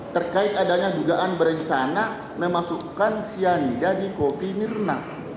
terkait adanya jugaan berencana memasukkan si hani dan kopi mirna